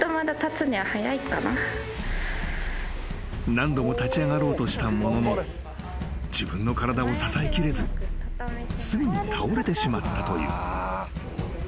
［何度も立ち上がろうとしたものの自分の体を支えきれずすぐに倒れてしまったという］